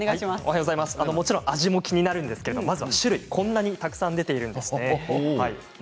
もちろん味も気になるんですがまずは種類こんなにたくさん出ているんですね。